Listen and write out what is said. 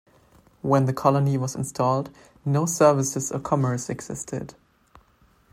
When the Colony was installed, no services or commerce existed.